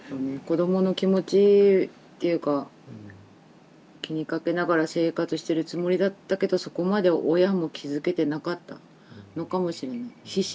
子どもの気持ちっていうか気にかけながら生活してるつもりだったけどそこまで親も気づけてなかったのかもしれない。